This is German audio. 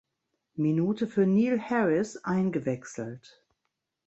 Minute für Neil Harris eingewechselt.